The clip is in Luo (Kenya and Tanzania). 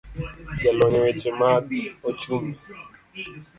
Jalony eweche mag ochumi